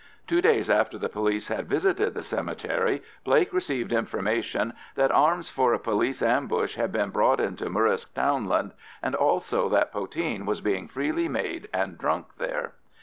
Two days after the police had visited the cemetery, Blake received information that arms for a police ambush had been brought into Murrisk townland, and also that poteen was being freely made and drunk there.